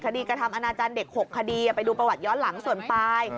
กระทำอนาจารย์เด็ก๖คดีไปดูประวัติย้อนหลังส่วนปลาย